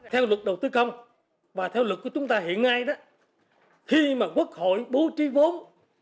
theo lực đầu tư công và theo lực của chúng ta hiện ngay đó khi mà quốc hội bố trí vốn